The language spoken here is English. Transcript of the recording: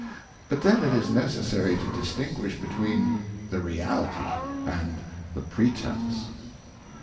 But then it is necessary to distinguish between the Reality and the Pretence.